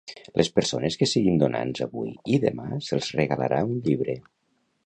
Les persones que siguin donants avui i demà se'ls regalarà un llibre.